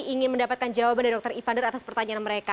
ingin mendapatkan jawaban dari dr ivandar atas pertanyaan mereka